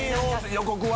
予告は？